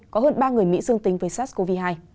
có hơn ba người mỹ dương tính với sars cov hai